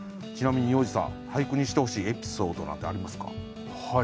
ちなみに要次さん俳句にしてほしいエピソードなんてありますか？